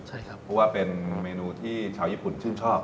เพราะว่าเป็นเมนูที่ชาวยีปุ่นชื่นชอบ